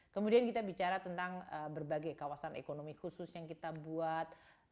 kemudian kita bicara tentang berbagai kawasan ekonomi khusus yang kita buat